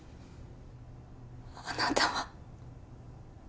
あなたは